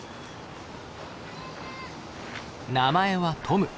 名前はトム。